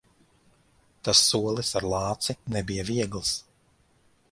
Tas solis ar lāci nebija viegls.